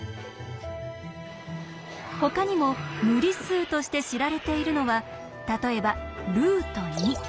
ほかにも無理数として知られているのは例えば。